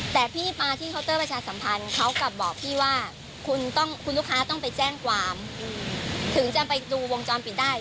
แต่พี่มาที่เคาน์เตอร์ประชาสัมพันธ์เขากลับบอกพี่ว่าคุณต้องคุณลูกค้าต้องไปแจ้งความถึงจะไปดูวงจรปิดได้